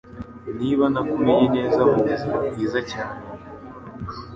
niba nakumenye neza mubuzima bwiza cyane